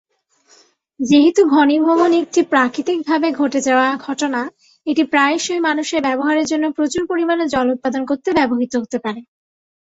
যেহেতু ঘনীভবন একটি প্রাকৃতিকভাবে ঘটে যাওয়া ঘটনা, এটি প্রায়শই মানুষের ব্যবহারের জন্য প্রচুর পরিমাণে জল উৎপাদন করতে ব্যবহৃত হতে পারে।